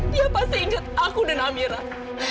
dia pasti ingat aku dan amirah